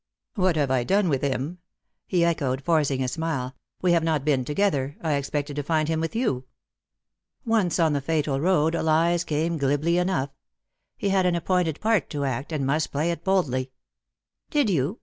" What have I done with him ?" he echoed, forcing a smile. "We have not been together. I expected to find him with you." Once on the fatal road, lies came glibly enough. He had an appointed part to act, aj»d must play it boldly. " Did you